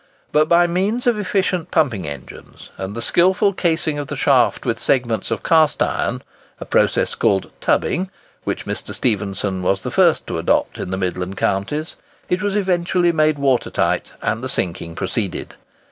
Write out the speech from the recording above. But by means of efficient pumping engines, and the skilful casing of the shaft with segments of cast iron—a process called "tubbing," which Mr. Stephenson was the first to adopt in the Midland Counties—it was eventually made water tight, and the sinking proceeded.